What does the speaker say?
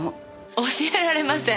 教えられません。